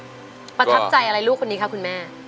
ประทับใจอะไรลูกคนนี้คะคุณแม่